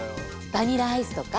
バニラアイスとか？